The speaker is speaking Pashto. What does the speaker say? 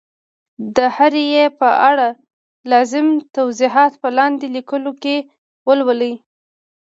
د هري ي په اړه لازم توضیحات په لاندي لیکو کي ولولئ